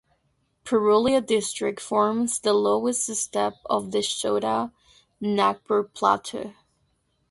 Purulia district forms the lowest step of the Chota Nagpur Plateau.